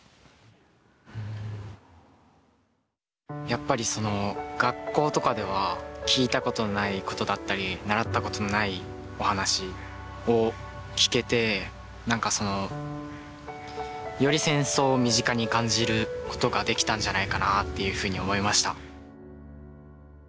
やっぱり学校とかでは聞いたことないことだったり習ったことのないお話を聞けて何かより戦争を身近に感じることができたんじゃないかなっていうふうに思いました。